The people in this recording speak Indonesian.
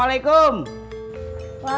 kalau gak ya udah